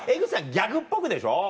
ギャグっぽくでしょ？